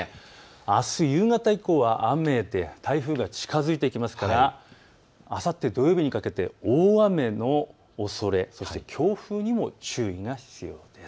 あす夕方以降は雨で台風が近づいてきますからあさって土曜日にかけて大雨のおそれ、そして強風にも注意が必要です。